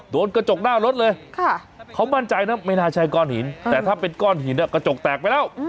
โดนกระจกหน้ารถเลยเขามั่นใจนะไม่น่าใช่ก้อนหินแต่ถ้าเป็นก้อนหินกระจกแตกไปแล้ว